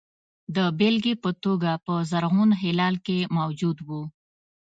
د بېلګې په توګه په زرغون هلال کې موجود وو.